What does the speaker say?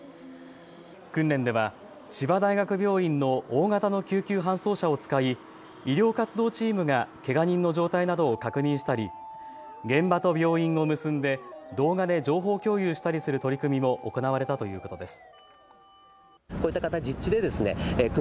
訓練では千葉大学病院の大型の救急搬送車を使い医療活動チームが、けが人の状態などを確認したり、現場と病院を結んで動画で情報共有したりする取り組みも行われたということです。